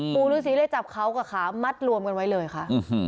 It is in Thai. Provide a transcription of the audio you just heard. ปู่ฤษีเลยจับเขากับขามัดรวมกันไว้เลยค่ะ